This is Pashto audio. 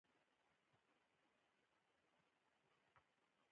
افغانستان د زردالو په اړه مشهور او لرغوني روایتونه لري.